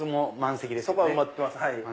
そこは埋まってます。